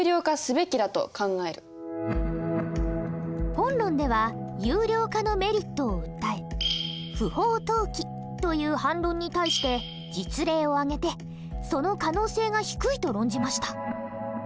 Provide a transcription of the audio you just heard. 本論では有料化のメリットを訴え「不法投棄」という反論に対して実例を挙げてその可能性が低いと論じました。